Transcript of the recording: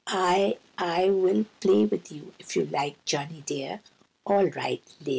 "I—I will play with you, if you like, Johnny, dear." "All right, Lil."